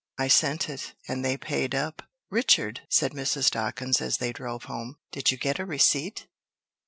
I sent it. And they paid up." "Richard," said Mrs. Dawkins, as they drove home, "did you get a receipt?"